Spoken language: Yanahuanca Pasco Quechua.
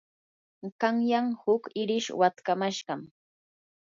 qanyan huk irish watkamashqam.